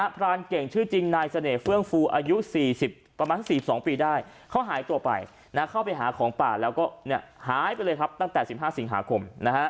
พรานเก่งชื่อจริงนายเสน่หเฟื่องฟูอายุประมาณสัก๔๒ปีได้เขาหายตัวไปเข้าไปหาของป่าแล้วก็หายไปเลยครับตั้งแต่๑๕สิงหาคม